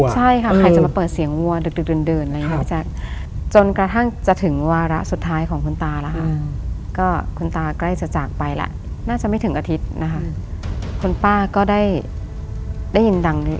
ใช่ค่ะใครจะมาเปิดเสียงดื่นบางจนกระทั่งจะถึงวาระสุดท้ายของคุณตาแล้วค่ะ